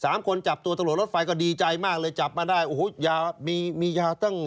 สามคนจับตัวตำรวจรถไฟก็ดีใจมากเลยจับมาได้โอ้โหยามีมียาตั้ง